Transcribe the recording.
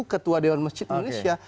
ketua dewan masjid indonesia